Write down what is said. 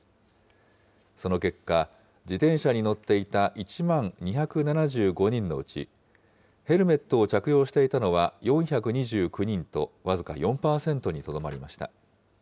その結果、自転車に乗っていた１万２７５人のうち、ヘルメットを着用していたのは４２９人と、僅か４％にとどまりました。